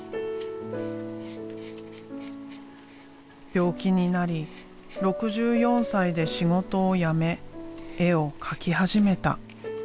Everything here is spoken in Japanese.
病気になり６４歳で仕事を辞め絵を描き始めた。